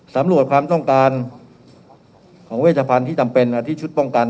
สำรวจความต้องการของเวชภัณฑ์ที่จำเป็นที่ชุดป้องกัน